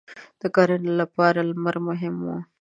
• د کرنې لپاره لمر مهم و.